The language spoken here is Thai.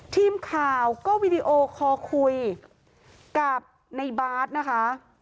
ทีมข่าวก็วีดีโอคอลคุยกับในบาร์ดนะคะ